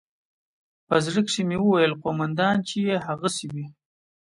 په زړه کښې مې وويل قومندان چې يې هغسې وي.